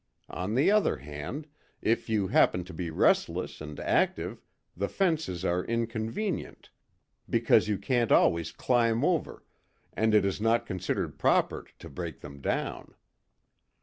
On the other hand, if you happen to be restless and active, the fences are inconvenient, because you can't always climb over, and it is not considered proper to break them down.